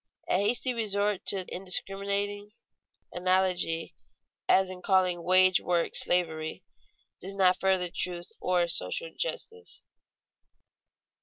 A hasty resort to indiscriminating analogy, as in calling wage work "slavery," does not further truth or social justice.